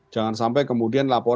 jangan sampai kemudian laporan